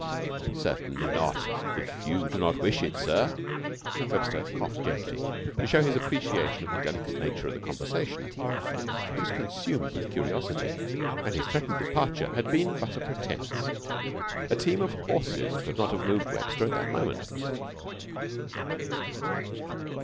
"Certainly not, if you do not wish it, sir." Webster coughed gently, to show his appreciation of the delicate nature of the conversation. He was consumed with curiosity, and his threatened departure had been but a pretence. A team of horses could not have moved Webster at that moment.